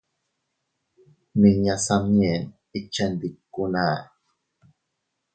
Miña Samyen ikchendikuna.